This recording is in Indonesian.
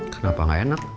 kenapa gak enak